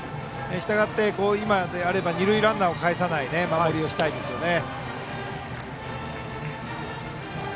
したがって、今であれば二塁ランナーをかえさない守りをしたいですね。